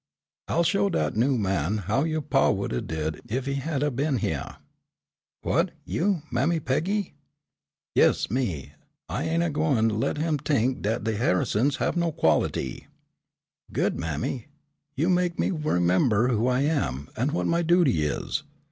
I'll show dat new man how yo' pa would 'a' did ef he'd 'a' been hyeah." "What, you, Mammy Peggy?" "Yes, me, I ain' a gwine to let him t'ink dat de Ha'isons didn' have no quality." "Good, mammy, you make me remember who I am, and what my duty is.